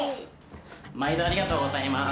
まいどありがとうございます。